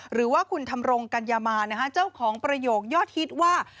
หรือว่าคุณทำรงกัญญามานเจ้าของประโยคยอดฮิตว่า